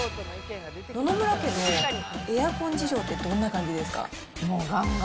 野々村家のエアコン事情ってどんな感じですか？